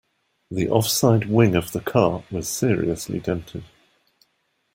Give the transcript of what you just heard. The offside wing of the car was seriously dented